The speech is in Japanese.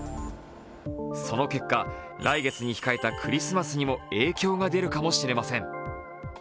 その結果、来月に控えたクリスマスにも影響が出るかもしれません。